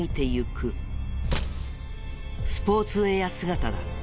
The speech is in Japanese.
スポーツウェア姿だ。